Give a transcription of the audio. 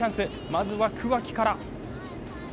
まずは桑木から。